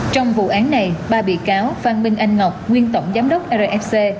trong vụ án này ba bị cáo phan minh anh ngọc nguyên tổng giám đốc rfc